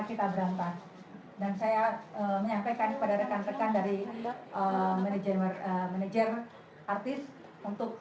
kita berantem dan saya menyampaikan kepada rekan rekan dari manajer manajer artis untuk